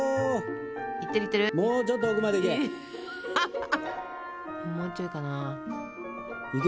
もうちょっと奥まで行け！